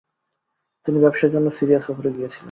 তিনি ব্যবসার জন্য সিরিয়া সফরে গিয়েছিলেন।